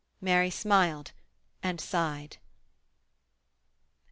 Mary smiled and sighed.